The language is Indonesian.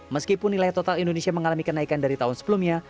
meskipun nilai total indonesia mengalami kenaikan dari tahun sebelumnya